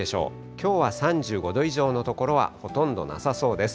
きょうは３５度以上の所はほとんどなさそうです。